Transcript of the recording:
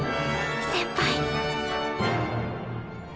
先輩